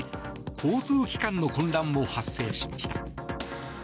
交通機関の混乱も発生しました。